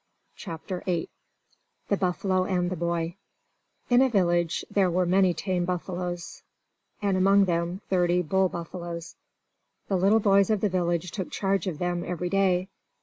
CHAPTER VIII The Buffalo and the Boy In a village there were many tame buffaloes, and among them thirty bull buffaloes. The little boys of the village took charge of them every day.